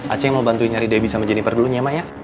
aceh mau bantuin nyari debbie sama jennifer dulunya mak ya